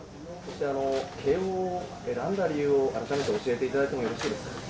慶応を選んだ理由を、改めて教えていただいてもよろしいですか。